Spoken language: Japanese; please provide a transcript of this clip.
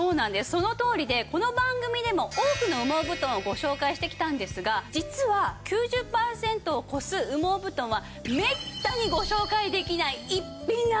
そのとおりでこの番組でも多くの羽毛布団をご紹介してきたんですが実は９０パーセントを超す羽毛布団はめったにご紹介できない逸品なんです。